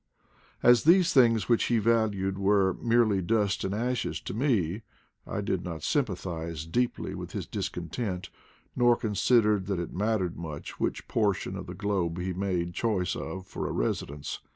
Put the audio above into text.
As these things which he valued were merely dust and ashes to me, I did not sympathize deeply with his discontent, nor consider that it mattered much which portion of the globe he made choice of for a residence.